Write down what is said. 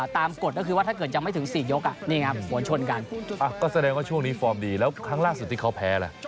กฎก็คือว่าถ้าเกิดยังไม่ถึง๔ยกนี่ครับสวนชนกันก็แสดงว่าช่วงนี้ฟอร์มดีแล้วครั้งล่าสุดที่เขาแพ้ล่ะ